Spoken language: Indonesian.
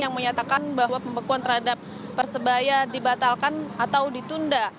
yang menyatakan bahwa pembekuan terhadap persebaya dibatalkan atau ditunda